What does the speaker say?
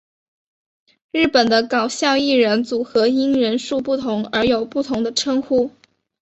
日本的搞笑艺人组合因人数不同而有不同的称呼。